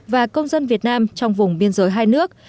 và công dân việt nam trong vùng biên giới hai nước